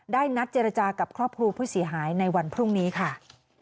นัดเจรจากับครอบครัวผู้เสียหายในวันพรุ่งนี้ค่ะ